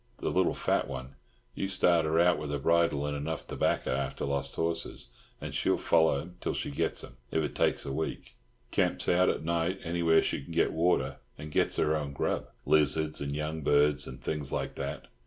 That little fat one—you start her out with a bridle and enough tobacker after lost horses, and she'll foller 'em till she gets 'em, if it takes a week. Camps out at night anywhere she can get water, and gets her own grub—lizards and young birds, and things like that.